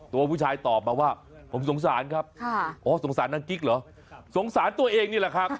ตัวผู้ชายตอบมาว่าผมสงสารครับอ๋อสงสารนางกิ๊กเหรอสงสารตัวเองนี่แหละครับ